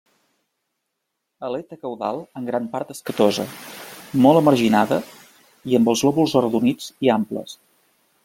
Aleta caudal en gran part escatosa, molt emarginada i amb els lòbuls arrodonits i amples.